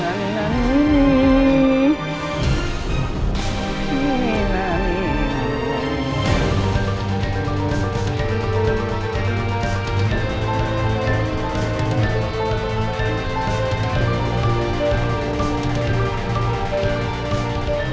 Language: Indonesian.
jujur sama papa